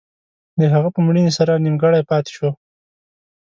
د هغه په مړینې سره نیمګړی پاتې شو.